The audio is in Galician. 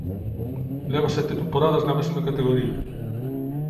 Leva sete temporadas na máxima categoría.